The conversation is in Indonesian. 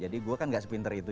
jadi gue kan gak sepinter itu